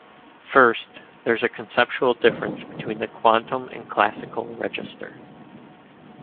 First, there's a conceptual difference between the quantum and classical register.